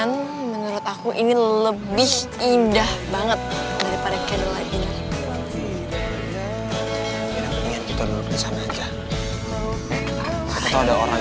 neng ini enggak pedas neng